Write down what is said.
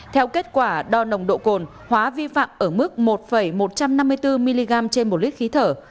theo kết quả đo nồng độ cồn hóa vi phạm ở mức một một trăm năm mươi bốn mg trên một lít khí thở